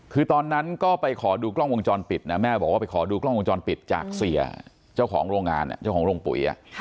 คือตอนนั้นก็ไปขอดูกล้องวงจรปิดนะแม่บอกว่าไปขอดูกล้องวงจรปิดจากเสียเจ้าของโรงงานเจ้าของโรงปุ๋ย